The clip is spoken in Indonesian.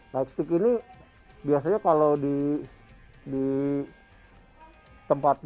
light stick ini biasanya kalau di tempat